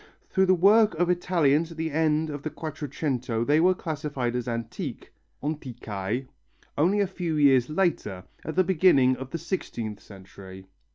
Though the work of Italians of the end of the Quattrocento they were classified as antique (antiqualles) only a few years later, at the beginning of the sixteenth century.